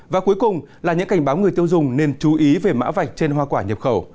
và cuối cùng là những cảnh báo người tiêu dùng nên chú ý về mã vạch trên hoa quả nhập khẩu